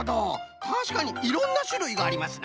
たしかにいろんなしゅるいがありますな！